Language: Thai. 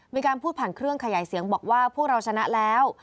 มีการพูดผ่านเครื่องขยายเสียงบอกว่าพวกเราชนะแล้ว